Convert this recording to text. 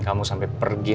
sekarang aku mau pergiatzu